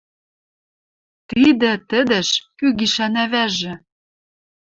Тидӹ — тӹдӹш, кӱ гишӓн ӓвӓжӹ